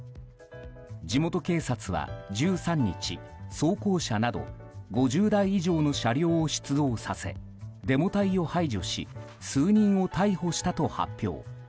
地元警察は１３日、装甲車など５０台以上の車両を出動させデモ隊を排除し数人を逮捕したと発表。